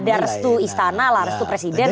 bahwa ada restu istana lah restu presiden lah